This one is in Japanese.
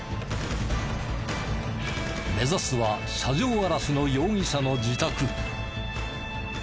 目指すは車上あらしの容疑者の自宅。